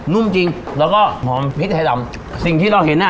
นุ่มจริงแล้วก็หอมพริกไทยดำสิ่งที่เราเห็นอ่ะ